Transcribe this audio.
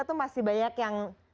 itu masih banyak yang